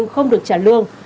nếu không được trả lương